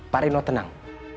pak reno tenang